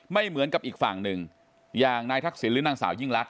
ไม่เหมือนกับอีกฝั่งหนึ่งอย่างนายทักษิณหรือนางสาวยิ่งลักษ